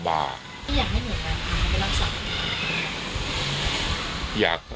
อยากให้เหนียงมันพอเป็นรักษา